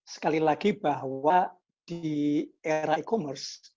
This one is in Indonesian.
sekali lagi bahwa di era e commerce